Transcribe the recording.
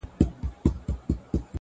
هره ناکامي د بیا هڅې درس دی,